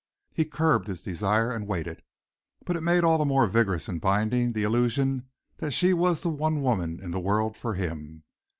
He curbed his desire and waited, but it made all the more vigorous and binding the illusion that she was the one woman in the world for him.